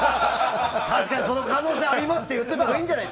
確かにその可能性ありますって言ったほうがいいんじゃないの？